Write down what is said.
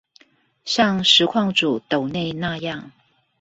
像實況主斗內那樣